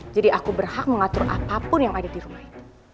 aku berhak mengatur apapun yang ada di rumah itu